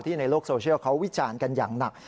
ในโลกโซเชียลเขาวิจารณ์กันอย่างหนัก